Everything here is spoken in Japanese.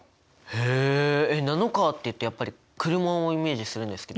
へえナノカーっていうとやっぱり車をイメージするんですけど。